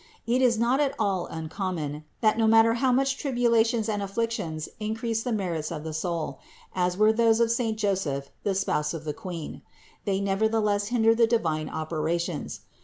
It is not at all uncommon, that, no matter how much tribula tions and afflictions increase the merits of the soul (as were those of saint Joseph, the spouse of the Queen), they nevertheless hinder the divine operations.